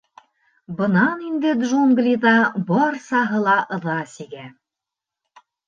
Бынан инде джунглиҙа барсаһы ла ыҙа сигә.